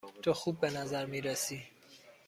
تو خوب به نظر می رسی.